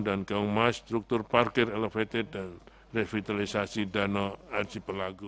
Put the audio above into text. dan gaumas struktur parkir elevated dan revitalisasi danau arjipelago